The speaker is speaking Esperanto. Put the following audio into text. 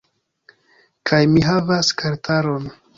Kaj mi havas kartaron